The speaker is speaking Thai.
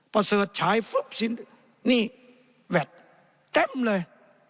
ประเสริฐฉายปุ๊บสินนี่แวดเต็มเลย